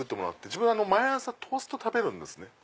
自分毎朝トースト食べるんですね。